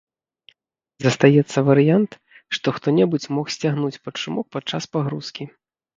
Застаецца варыянт, што хто-небудзь мог сцягнуць пад шумок падчас пагрузкі.